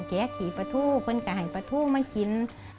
แก่ขี่ประทูคนก็ให้ประทูมากิน